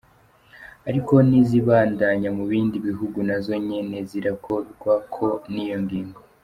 Ariko n'izibandanya mu bindi bihugu nazo nyene zirakorwako n'iyo ngingo.